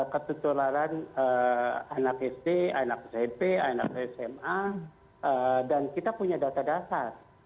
ketutularan anak sd anak smp anak sma dan kita punya data dasar